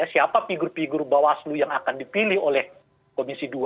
siapa figur figur bawaslu yang akan dipilih oleh komisi dua